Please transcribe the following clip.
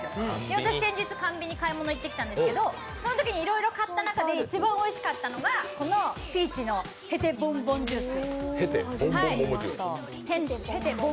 私、先日、韓ビニに買い物行ってきたんですけどそのときにいろいろ買った中で一番おいしかったのがこのピーチのヘテボンボン桃ジュース。